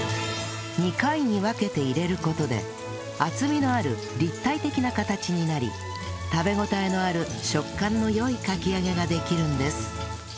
２回に分けて入れる事で厚みのある立体的な形になり食べ応えのある食感の良いかき揚げができるんです